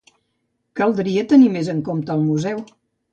Caldria tenir més en compte el museu